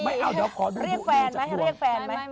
ไม่เอาเดี๋ยวเรียกแฟนไหม